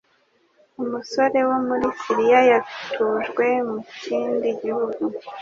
Umsore wo muri Siriya yatujwe mu kindi gihugu,